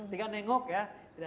tinggal nengok ya